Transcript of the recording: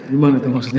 gimana itu maksudnya